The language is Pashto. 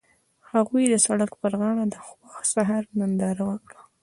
هغوی د سړک پر غاړه د خوښ سهار ننداره وکړه.